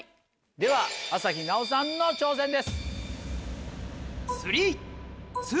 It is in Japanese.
では朝日奈央さんの挑戦です。